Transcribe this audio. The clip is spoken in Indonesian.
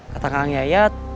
kata kang yayat